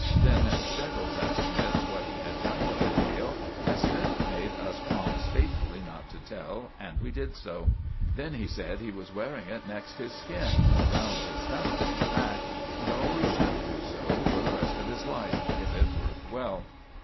Then Steggles asked Smythe what he had done with the tail; and Smythe made us promise faithfully not to tell, and we did so. Then he said that he was wearing it next his skin—round his stomach, in fact—and always should do so for the rest of his life, if it worked well.